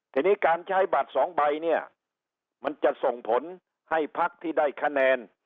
ทีนี้การใช้บัตรสองใบเนี่ยมันจะส่งผลให้พักที่ได้คะแนน